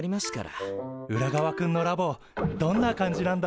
ウラガワくんのラボどんな感じなんだろう。